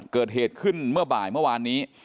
เกิดเหตุขึ้นเมื่อบ่ายเมื่อวานนี้